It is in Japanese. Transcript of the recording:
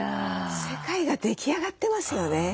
世界が出来上がってますよね。